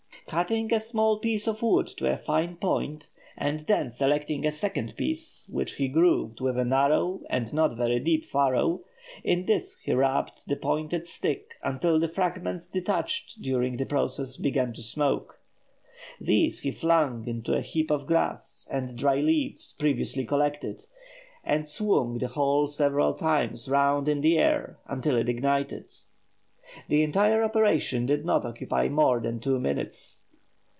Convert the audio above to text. Cutting a small piece of wood to a fine point, and then selecting a second piece, which he grooved with a narrow and not very deep furrow, in this he rubbed the pointed stick until the fragments detached during the process began to smoke. These he flung into a heap of grass and dry leaves previously collected, and swung the whole several times round in the air until it ignited. The entire operation did not occupy more than two minutes.